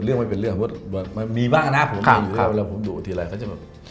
เรื่องไม่เป็นเรื่องมีบ้างนะผมมีอยู่แล้วเวลาผมดูทีไรเขาจะบอก